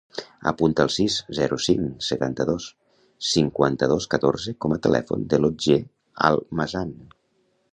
Apunta el sis, zero, cinc, setanta-dos, cinquanta-dos, catorze com a telèfon de l'Otger Almazan.